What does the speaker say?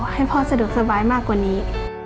ให้พ่อสะดวกสบายมากกว่านี้